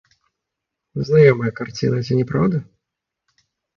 Знаёмая карціна, ці не праўда?